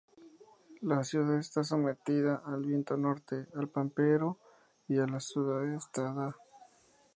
La ciudad está sometida al viento norte, al pampero y a la sudestada.